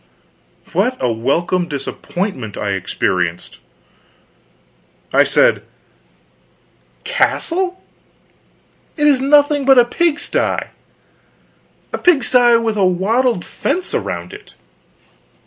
What a welcome disappointment I experienced! I said: "Castle? It is nothing but a pigsty; a pigsty with a wattled fence around it."